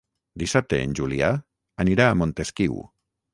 Dissabte en Julià anirà a Montesquiu.